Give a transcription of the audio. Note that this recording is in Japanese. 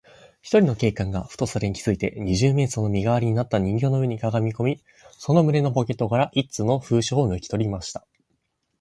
ひとりの警官が、ふとそれに気づいて、二十面相の身がわりになった人形の上にかがみこみ、その胸のポケットから一通の封書をぬきとりました。